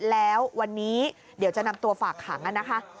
แล้ววันนี้เดี๋ยวจะนำตัวฝากขังนะคะ